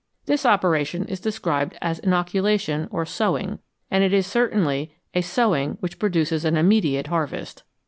This operation is described as " inoculation " or " sowing,"" and it is certainly a sowing which produces an immediate harvest.